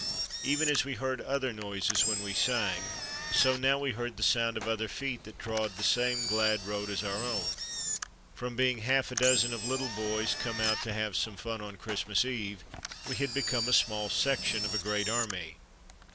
Even as we heard other noises when we sang, so now we heard the sound of other feet that trod the same glad road as our own. From being a half dozen of little boys come out to have some fun on Christmas eve, we had become a small section of a great army.